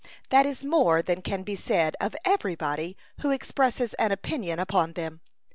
That is more than can be said of everybody who expresses an opinion upon them.